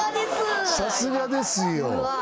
さすがですうわ